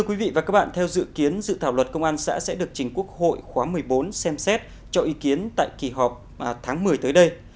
quý vị và các bạn theo dự kiến dự thảo luật công an xã sẽ được trình quốc hội khóa một mươi bốn xem xét cho ý kiến tại kỳ họp tháng một mươi tới đây